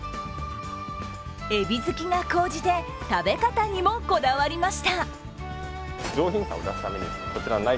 えび好きが高じて食べ方にもこだわりました。